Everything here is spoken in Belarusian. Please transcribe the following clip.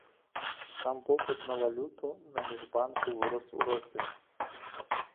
Сам попыт на валюту на міжбанку вырас у разы.